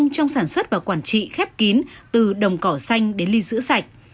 trong sản xuất và quản trị khép kín từ đồng cỏ xanh đến ly sữa sạch